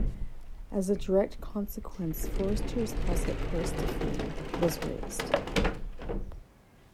As a direct consequence Forrester's house at Corstorphine was razed.